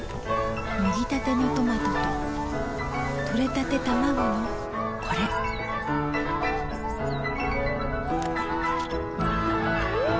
もぎたてのトマトととれたてたまごのこれん！